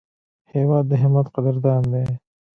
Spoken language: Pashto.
هېواد د همت قدردان دی.